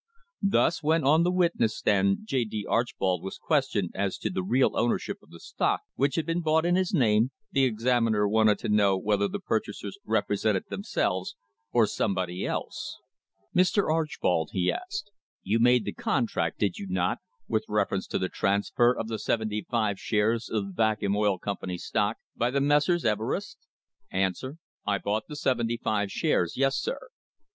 Thus, when on the witness stand J. D. Archbold was questioned as to the real owner ship of the stock which had been bought in his name, the examiner wanted to know whether the purchasers represented themselves or somebody else. "Mr. Archbold," he asked, "you made the contract, did you not, with reference to the transfer of the seventy five shares of the Vacuum Oil Company's stock by the Messrs. Everest?" A . I bought the seventy five shares, yes, sir. Q.